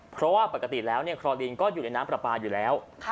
เพราะว่าปกติแล้วคลอลิงก็อยู่ในน้ำปลาปลาอยู่แล้ว